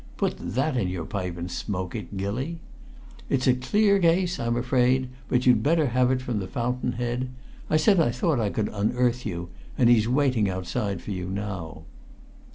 Put that in your pipe and smoke it, Gilly! It's a clear case, I'm afraid, but you'd better have it from the fountain head. I said I thought I could unearth you, and he's waiting outside for you now."